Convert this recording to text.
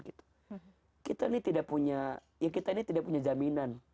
kita ini tidak punya jaminan